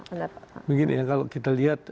anda mungkin kalau kita lihat